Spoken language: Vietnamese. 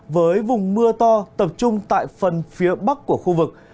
với vùng mưa to tập trung tại phần phía bắc của khu vực